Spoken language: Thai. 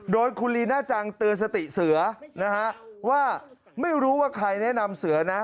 โดยคุณลีน่าจังเตือนสติเสือนะฮะว่าไม่รู้ว่าใครแนะนำเสือนะ